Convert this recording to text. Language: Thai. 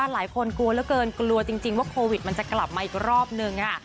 ถ้าใครอยากจะฟังสัมภาษณ์คู่รณี